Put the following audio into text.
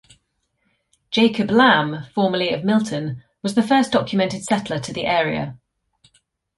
Jacob Lamb, formerly of Milton was the first documented settler to the area.